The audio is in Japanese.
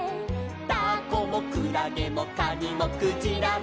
「タコもクラゲもカニもクジラも」